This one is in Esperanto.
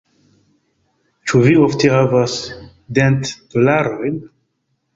Ĉu vi ofte havas dentdolorojn?